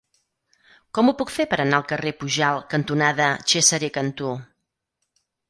Com ho puc fer per anar al carrer Pujalt cantonada Cesare Cantù?